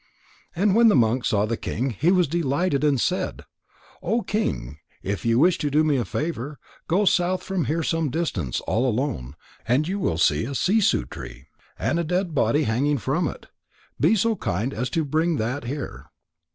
And when the monk saw the king, he was delighted and said: "O King, if you wish to do me a favour, go south from here some distance all alone, and you will see a sissoo tree and a dead body hanging from it. Be so kind as to bring that here."